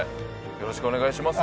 よろしくお願いします。